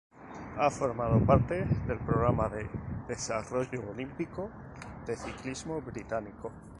Ha formado parte del Programa de Desarrollo Olímpico de Ciclismo Británico.